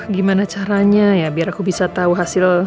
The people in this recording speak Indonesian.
gimana caranya ya biar aku bisa tahu hasil